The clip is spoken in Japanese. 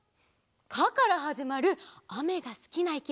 「か」からはじまるあめがすきないきものなんだ？